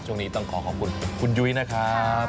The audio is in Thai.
ช่วงนี้ต้องขอขอบคุณคุณยุ้ยนะครับ